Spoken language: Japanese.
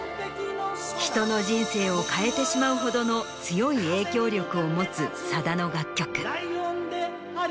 人の人生を変えてしまうほどの強い影響力を持つさだの楽曲。